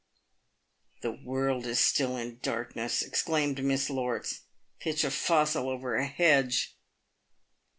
" The world is still in darkness !" exclaimed Miss Lorts. " Pitch a fossil over a hedge